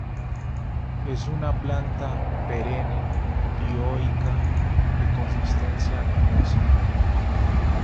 Es una planta perenne, dioica, de consistencia leñosa.